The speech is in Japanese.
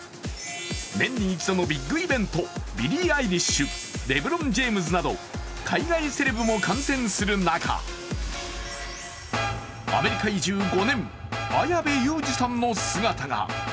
年に一度のビッグイベント、ビリー・アイリッシュ、レブロン・ジェームズなど海外セレブも観戦する中、アメリカ移住５年、綾部祐二さんの姿が。